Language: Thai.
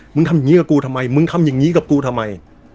ทำอย่างนี้กับกูทำไมมึงทำอย่างนี้กับกูทำไม